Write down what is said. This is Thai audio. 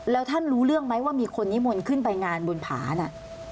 แล้วท่านรู้เรื่องไหมว่ามีคนนิมนต์ขึ้นไปงานบนผาน่ะ